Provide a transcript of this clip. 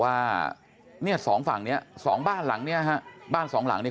ว่าเนี่ยสองฝั่งเนี้ยสองบ้านหลังเนี้ยฮะบ้านสองหลังเนี้ย